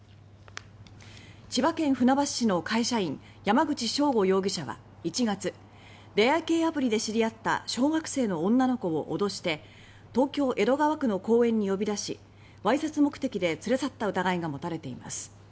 千葉県船橋市の会社員山口祥悟容疑者は１月出会い系アプリで知り合った小学生の女の子を脅して東京・江戸川区の公園に呼び出しわいせつ目的で連れ去った疑いが持たれています。